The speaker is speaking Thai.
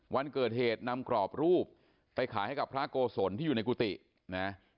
วันเกิดเหตุนำกรอบรูปไปขายให้กับพระโกศลที่อยู่ในกุฏินะ